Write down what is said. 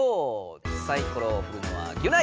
サイコロをふるのはギュナイ！